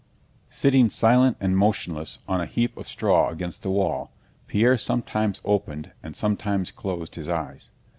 Sitting silent and motionless on a heap of straw against the wall, Pierre sometimes opened and sometimes closed his eyes.